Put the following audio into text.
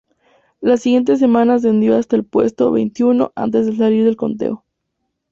La siguiente semana ascendió hasta el puesto veintiuno antes de salir del conteo.